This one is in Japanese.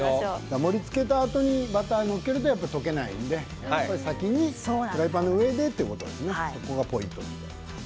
盛りつけたあとにバターを載せると溶けないので先にフライパンの上でというそこがポイントですね。